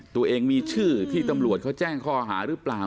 ตัวเองมีชื่อที่ตำรวจเขาแจ้งข้อหาหรือเปล่า